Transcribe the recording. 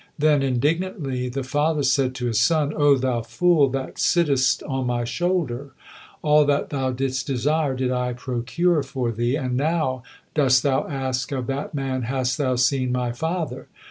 Then, indignantly, the father said to his son: "O thou fool, that sittest on my shoulder! All that thou didst desire, did I procure for thee, and now dost thou ask of that man, 'Hast thou seen my father?'"